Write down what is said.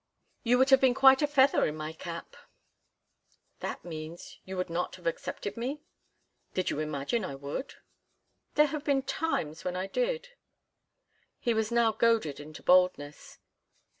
You would have been quite a feather in my cap." "That means you would not have accepted me?" "Did you imagine I would?" "There have been times when I did." He was now goaded into boldness.